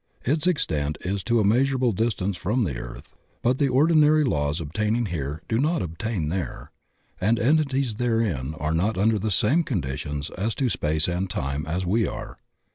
Its extent is to a measurable distance from the earth, but the ordinary laws obtaining here do not obtain there, and entities therein are not under the same conditions as to space and time as we are.